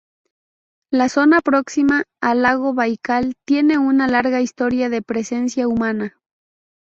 La zona próxima al lago Baikal tiene una larga historia de presencia humana.